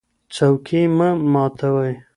څوکۍ مه ماتوئ.